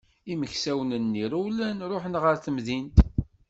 Imeksawen-nni rewlen, ṛuḥen ɣer temdint.